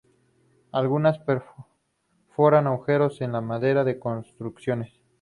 Algunas perforan agujeros en la madera de construcciones.